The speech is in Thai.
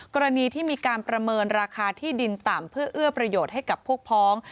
กรณีที่มีการประเมินราคาที่ดินต่ำเพื่อเอื้อประโยชน์ให้กับพวกพ้อง